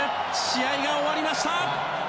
試合が終わりました。